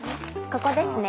ここですね。